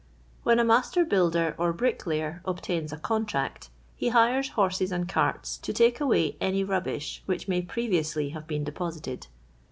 Wbi n a master builder or bricklayer obtains a contract, he hires horses and carts to take away any rubbish which may previously have boon dejKisited.